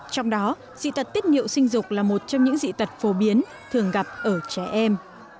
trong đó dị tật tiết nhiệu sinh dục là một trong những dị tật phổ biến thường gặp ở trẻ em